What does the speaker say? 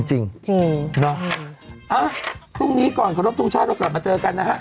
จริงเนาะพรุ่งนี้ก่อนขอรบทรงชาติเรากลับมาเจอกันนะฮะ